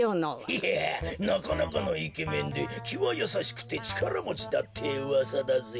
いやなかなかのイケメンできはやさしくてちからもちだってうわさだぜ。